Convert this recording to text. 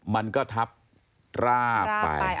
มันก็ทับราบไป